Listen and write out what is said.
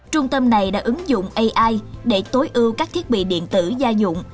trung tâm này đã ứng dụng ai để tối ưu các thiết bị điện tử gia dụng